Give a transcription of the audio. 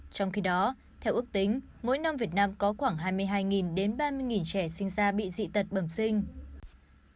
trong khi đó theo ước tính mỗi năm việt nam có khoảng hai mươi hai đến ba mươi trẻ sinh ra bị dị tật bẩm sinh